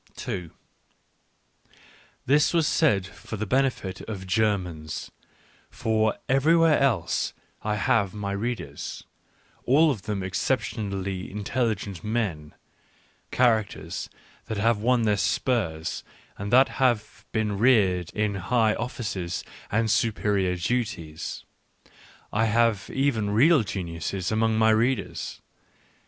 ... This was said for the benefit of Germans : for everywhere else I have my readers — all of them exceptionally intelligent men, characters that have won their spurs and that have been reared in high offices and superior duties ; I have even real geniuses L among my readers.